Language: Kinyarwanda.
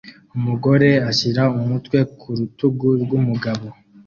Umugore ashyira umutwe ku rutugu rw'umugabo